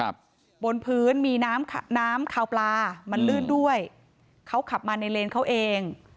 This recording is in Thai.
บนพื้นมีน้ำน้ำคาวปลามันลื่นด้วยเขาขับมาในเลนเขาเอง